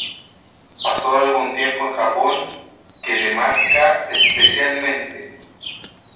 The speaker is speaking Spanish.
Pasó algún tiempo en Japón, que le marca especialmente.